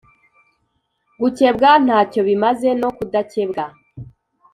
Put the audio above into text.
Gukebwa nta cyo bimaze no kudakebwa